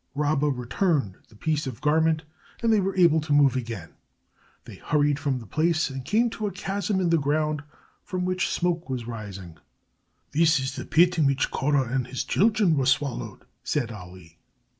Rabba returned the piece of garment, and they were able to move again. They hurried from the place and came to a chasm in the ground from which smoke was rising. "This is the pit in which Korah and his children were swallowed," said Ali.